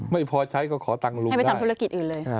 ไม่พอใช้ก็ขอตังค์ลุงให้ไปทำธุรกิจอื่นเลย